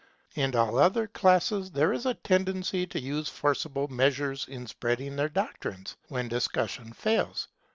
In all other classes there is a tendency to use forcible measures in spreading their doctrines when discussion fails.